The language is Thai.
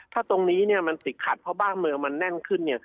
ถ้าตรงนี้มันติดขัดเพราะบ้านเมืองมันแน่นขึ้น